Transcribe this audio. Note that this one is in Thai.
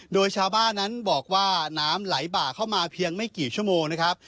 โดยชาวบ้านนั้นบอกว่าน้ำไหลบ่าเข้ามาเพียงไม่กี่ชั่วโมงนะครับ